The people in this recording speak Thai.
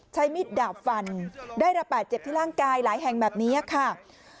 มิดดาบฟันได้รับบาดเจ็บที่ร่างกายหลายแห่งแบบนี้ค่ะ